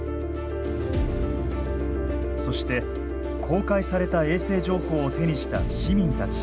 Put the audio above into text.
そして公開された衛星情報を手にした市民たち。